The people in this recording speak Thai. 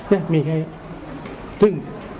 เนี่ยมีแค่นั้น